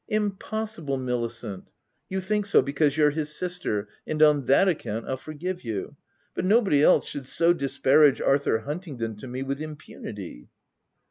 " Impossible, Milicent ! You think so, be cause you're his sister ; and, on that account, I'll forgive you; but nobody else should so disparage Arthur Huntingdon to me, with im punity."